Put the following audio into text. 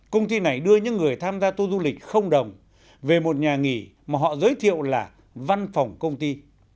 công ty này đưa những người tham gia tour du lịch không đồng về một nhà nghỉ mà họ giới thiệu là văn phòng công ty